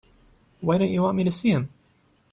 Why don't you want me to see him?